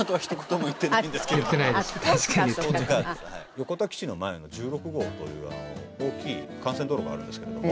横田基地の前の１６号という大きい幹線道路があるんですけれども。